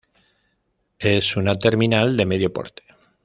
Es una Terminal de medio porte.